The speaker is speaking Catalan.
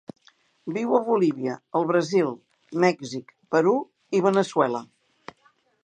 Viu a Bolívia, el Brasil, Mèxic, Perú i Veneçuela.